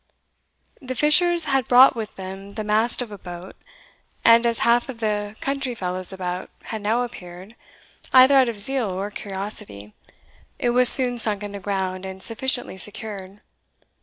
The fishers had brought with them the mast of a boat, and as half of the country fellows about had now appeared, either out of zeal or curiosity, it was soon sunk in the ground, and sufficiently secured.